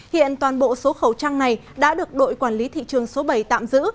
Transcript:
hiện toàn bộ số khẩu trang này đã được đội quản lý thị trường số bảy tạm giữ